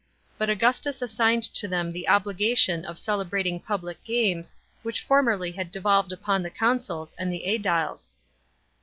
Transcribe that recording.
But Augustus assigned to them the obligation of celebrating public games, which formerly had devolved upon the consuls and the sediles.